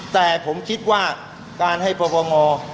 แต่ผมคิดว่าการให้ปปง